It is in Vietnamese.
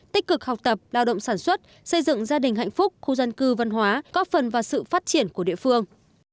tích cực học tập lao động sản xuất xây dựng gia đình hạnh phúc khu dân cư văn hóa góp phần vào sự phát triển của địa phương